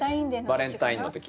バレンタインの時。